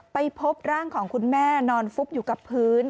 ไปพบร่างของคุณแม่นอนฟุบอยู่กับพื้น